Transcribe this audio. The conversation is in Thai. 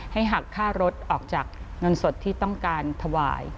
หักค่ารถออกจากเงินสดที่ต้องการถวาย